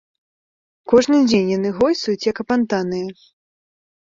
Кожны дзень яны гойсаюць як апантаныя.